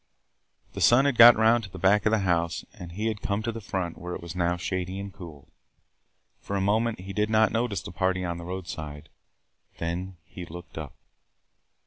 The sun had got round to the back of the house, and he had come to the front where it was now shady and cool. For a moment he did not notice the party out on the roadside. Then he looked up.